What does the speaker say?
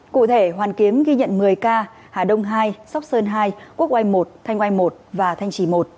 cụ thể hoàn kiếm ghi nhận một mươi ca hà đông hai sóc sơn hai quốc oai một thanh oai một và thanh trì một